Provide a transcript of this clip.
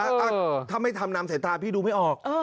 ถ้าไม่ทำนำสายตาพี่ดูไม่ออก